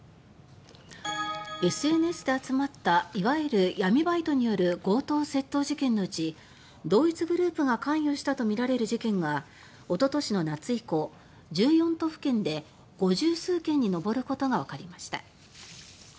ＳＮＳで集まったいわゆる闇バイトによる強盗・窃盗事件のうち同一グループが関与したとみられる事件がおととしの夏以降、１４都府県で５０数件に上ることがわかりました。